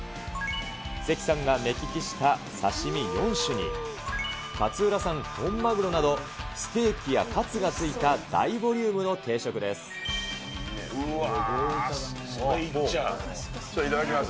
関さんが目利きした刺身４種に、勝浦産本マグロのステーキやカツがついた、大ボリュームの定食でうわー。